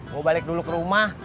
mau balik dulu ke rumah